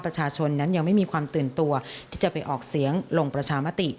ประชาชนนั้นยังไม่มีความตื่นตัวที่จะไปออกเสียงลงประชามติ